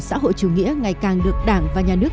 xã hội chủ nghĩa ngày càng được đảng và nhà nước